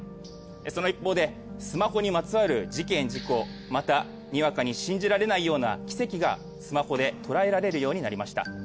その一方でスマホにまつわる事件事故またにわかに信じられないような奇跡がスマホでとらえられるようになりました。